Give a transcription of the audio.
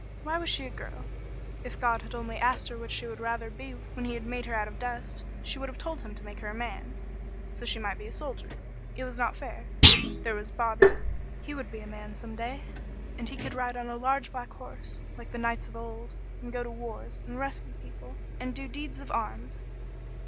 Why was she a girl? If God had only asked her which she would rather be when he had made her out of dust, she would have told him to make her a man, so she might be a soldier. It was not fair. There was Bobby; he would be a man some day, and he could ride on a large black horse like the knights of old, and go to wars, and rescue people, and do deeds of arms.